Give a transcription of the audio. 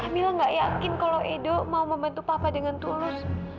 kamilah tidak yakin kalau edo mau membantu papa dengan tulus